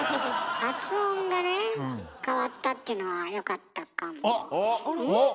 発音がね変わったっていうのはよかったかも。